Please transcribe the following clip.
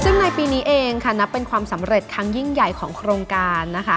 ซึ่งในปีนี้เองค่ะนับเป็นความสำเร็จครั้งยิ่งใหญ่ของโครงการนะคะ